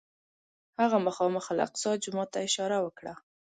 هغه مخامخ الاقصی جومات ته اشاره وکړه.